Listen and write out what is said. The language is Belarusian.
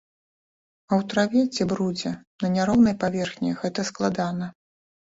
А ў траве ці брудзе, на няроўнай паверхні гэта складана.